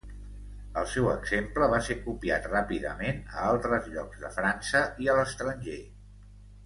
El seu exemple va ser copiat ràpidament a altres llocs de França i a l'estranger.